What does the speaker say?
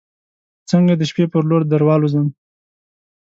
څنګه د شپې پر لور دروالوزم